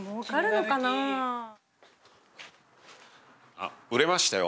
あっ売れましたよ